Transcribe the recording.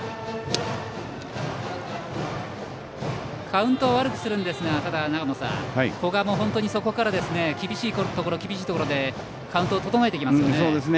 カウントは悪くするんですがただ、長野さん、古賀もそこから厳しいところでカウントを整えてきますね。